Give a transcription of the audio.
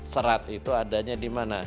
serat itu adanya di mana